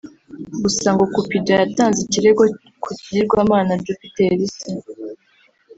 Gusa ngo Cupidon yatanze ikirego ku kigirwamana Jupiteri se